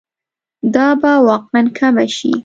دا به واقعاً کمه شي.